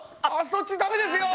そっちダメですよ！